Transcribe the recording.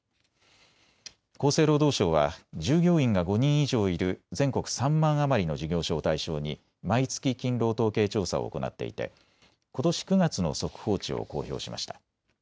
厚生労働省は従業員が５人以上いる全国３万余りの事業所を対象に毎月勤労統計調査を行っていてことし９月の速報値を公表しました。